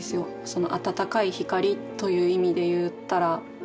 その温かいひかりという意味で言ったら。